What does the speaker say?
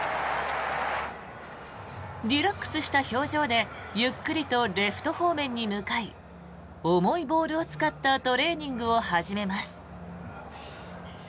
リラックスした表情でゆっくりとレフト方面に向かい重いボールを使ったトレーニングを始めます。